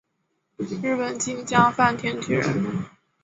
日本近江坂田郡人。